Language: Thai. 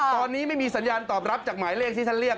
ตอนนี้ไม่มีสัญญาณตอบรับจากหมายเลขที่ท่านเรียก